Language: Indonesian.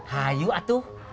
hah yuk atuh